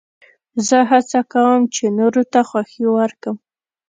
زه هڅه کوم، چي نورو ته خوښي ورکم.